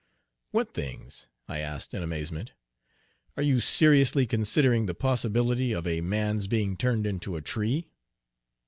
"What things?" I asked, in amazement. "Are you seriously considering the possibility of a man's being turned into a tree?"